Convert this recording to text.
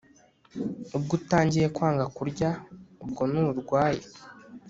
Ubwo utangiye kwanga kurya ubwo nurwaye